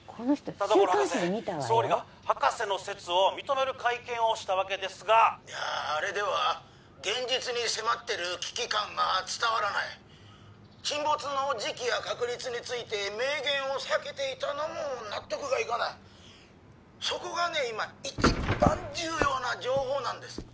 田所博士総理が博士の説を認める会見をしたわけですがいやっあれでは現実に迫ってる危機感が伝わらない沈没の時期や確率について明言を避けていたのも納得がいかないそこがね今一番重要な情報なんです